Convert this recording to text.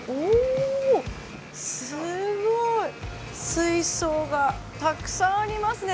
水槽がたくさんありますね。